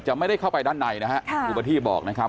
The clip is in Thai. จะไม่ได้เข้าไปด้านในนะฮะอุบัติธิบอกนะครับ